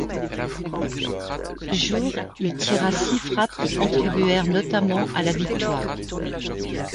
Ce jour, il tira six frappes qui contribuèrent notamment à la victoire.